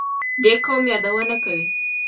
دې قوم یادونه کوي.